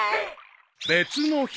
［別の日］